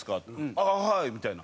「ああはい」みたいな。